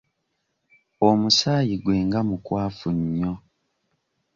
Omusaayi gwe nga mukwafu nnyo.